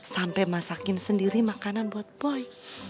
sampai masakin sendiri makanan buat boy